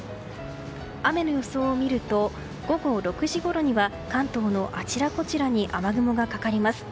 雨の予想を見ると午後６時ごろには関東のあちらこちらに雨雲がかかります。